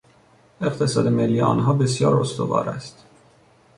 اقتصاد ملی آنها بسیار استوار است.